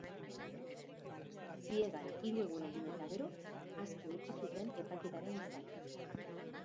Ziegan hiru egun egin eta gero, aske utzi zuten epaiketaren zain.